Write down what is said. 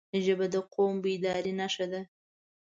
ژبه د قوم بیدارۍ نښه ده